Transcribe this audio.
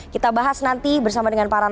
kita bahas nanti bersama dengan para nara